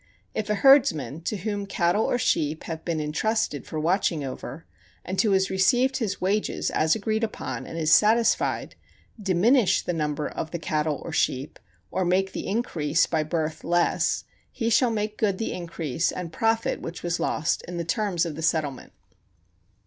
If a herdsman, to whom cattle or sheep have been intrusted for watching over, and who has received his wages as agreed upon, and is satisfied, diminish the number of the cattle or sheep, or make the increase by birth less, he shall make good the increase and profit which was lost in the terms of settlement.